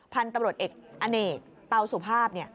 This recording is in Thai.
พันธุ์ตำรวจเอกอเนกเตาสุภาพ